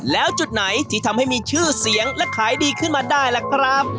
แล้วจุดไหนที่ทำให้มีชื่อเสียงและขายดีขึ้นมาได้ล่ะครับ